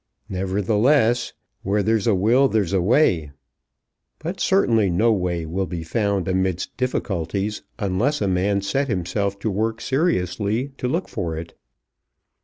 Nevertheless, "Where there's a will there's a way." But certainly no way will be found amidst difficulties, unless a man set himself to work seriously to look for it.